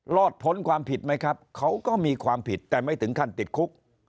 รอดผลความผิดไหมครับเขาก็มีความผิดแต่ไม่ถึงขั้นติดคุก